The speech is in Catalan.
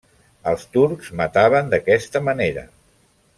Els turcs mataven d'aquesta manera.